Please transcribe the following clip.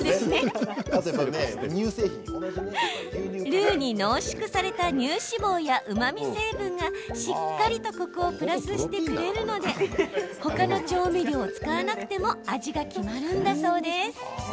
ルーに濃縮された乳脂肪やうまみ成分がしっかりとコクをプラスしてくれるのでほかの調味料を使わなくても味が決まるんだそうです。